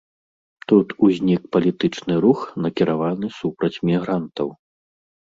Тут узнік палітычны рух, накіраваны супраць мігрантаў.